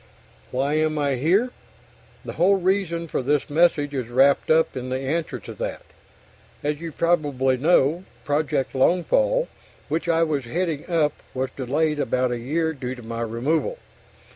Why am I here? The whole reason for this message is wrapped up in the answer to that. As you probably know, Project Longfall, which I was heading up was delayed about a year due to my removal.